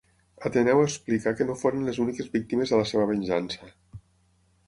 Ateneu explica que no foren les úniques víctimes de la seva venjança.